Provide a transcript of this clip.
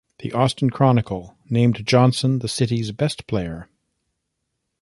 "The Austin Chronicle" named Johnson the city's best player.